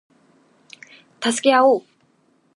助け合おう